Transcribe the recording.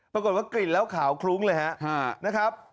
ปรากฏว่ากลิ่นแล้วขาวคลุ้งเลยครับนะครับ